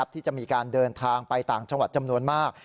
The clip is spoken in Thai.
ที่จะมีการเดินทางไปต่างจังหวัดจำนวนมาก